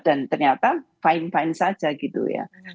dan ternyata fine fine saja gitu ya